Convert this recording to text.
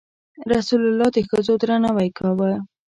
رسول الله د ښځو درناوی کاوه.